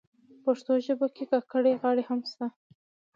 پښتو ژبه کي کاکړۍ غاړي هم سته.